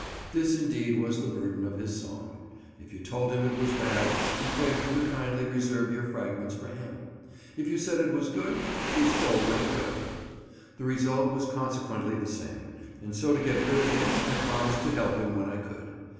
This, indeed, was the burthen of his song:—If you told him it was bad, he begged you to kindly reserve your fragments for him; if you said it was good, he stole what he could. The result was consequently the same; and so to get rid of him I promised to help him when I could.